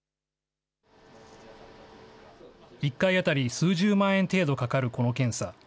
１回当たり数十万円程度かかるこの検査。